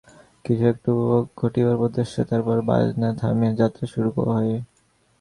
কিছু একটা উপভোগ্য ঘটিবার প্রত্যাশা, তারপর বাজনা থামিয়া যাত্রা শুরু হয়।